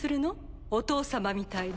お父様みたいに。